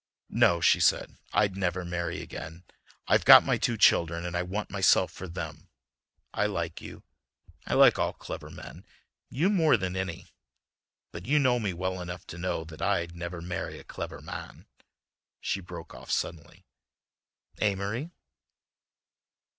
"No," she said; "I'd never marry again. I've got my two children and I want myself for them. I like you—I like all clever men, you more than any—but you know me well enough to know that I'd never marry a clever man—" She broke off suddenly. "Amory."